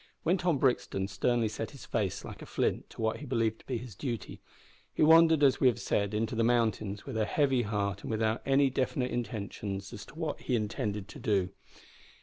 When Tom Brixton sternly set his face like a flint to what he believed to be his duty, he wandered, as we have said, into the mountains, with a heavy heart and without any definite intentions as to what he intended to do.